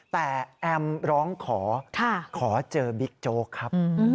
แต่แอมร้องขอขอเจอบิ๊กโจ๊กครับ